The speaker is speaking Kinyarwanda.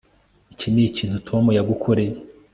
iki nikintu tom yagukoreye